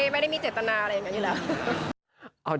ไม่ได้มีเจ็ดตนา